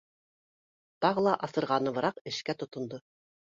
Тағы ла асырғаныбыраҡ эшкә тотондо